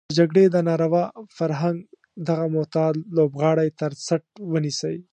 د جګړې د ناروا فرهنګ دغه معتاد لوبغاړی تر څټ ونيسي.